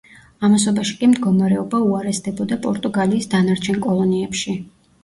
ამასობაში კი მდგომარეობა უარესდებოდა პორტუგალიის დანარჩენ კოლონიებში.